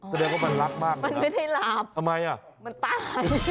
แสดงว่ามันรักมากนะมันตายมันไม่ได้หลับ